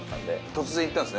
突然行ったんすね。